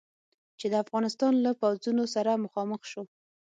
چې د افغانستان له پوځونو سره مخامخ شو.